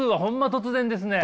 突然です。